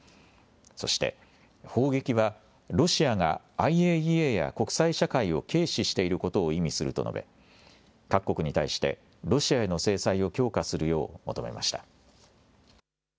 そして砲撃は、ロシアがＩＡＥＡや国際社会を軽視していることを意味すると述べ、各国に対して、ロシアへの制裁を強化するよう求めました。